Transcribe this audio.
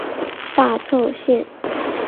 大凑线。